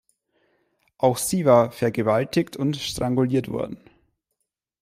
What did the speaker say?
Auch sie war vergewaltigt und stranguliert worden.